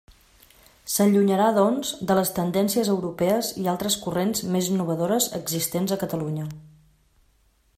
S'allunyarà doncs, de les tendències europees i altres corrents més innovadores existents a Catalunya.